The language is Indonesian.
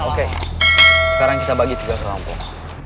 oke sekarang kita bagi tiga kelompok